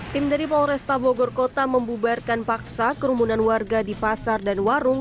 tim dari polresta bogor kota membubarkan paksa kerumunan warga di pasar dan warung